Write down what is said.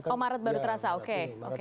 oh maret baru terasa oke oke